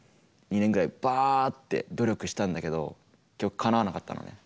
２年ぐらいバッて努力したんだけど結局かなわなかったのね。